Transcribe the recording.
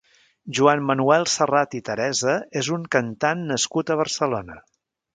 Joan Manuel Serrat i Teresa és un cantant nascut a Barcelona.